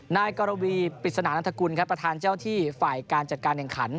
นายกรวีปริศนานันทกุลครับประธานเจ้าที่ฝ่ายการจัดการแข่งขัน